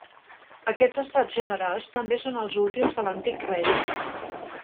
Aquests Estats generals també són els últims de l'Antic Règim.